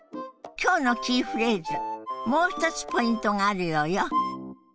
今日のキーフレーズもう一つポイントがあるようよ。